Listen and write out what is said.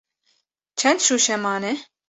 Çend şûşe mane?